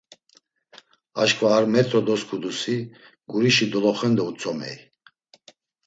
Aşǩva ar metro dosǩudusi, gurişi doloxendo utzomey.